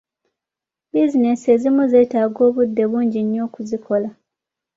Bizinensi ezimu zeetaaga obudde bungi nnyo okuzikola.